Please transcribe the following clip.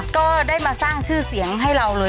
ก็ได้มาสร้างชื่อเสียงให้เราเลย